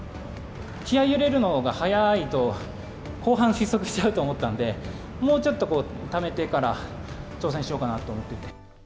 気合い入れるのが早いと、後半失速しちゃうと思ったので、もうちょっとこう、ためてから挑戦しようかなと思っていて。